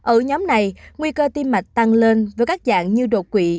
ở nhóm này nguy cơ tim mạch tăng lên với các dạng như đột quỵ